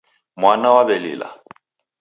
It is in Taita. Mwana waw'elila